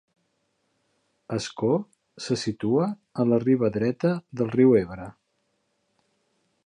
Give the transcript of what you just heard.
Ascó se situa a la riba dreta del riu Ebre.